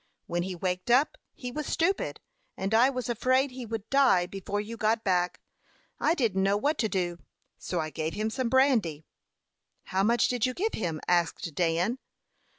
When he waked up he was stupid, and I was afraid he would die before you got back. I didn't know what to do; so I gave him some brandy." "How much did you give him?" asked Dan.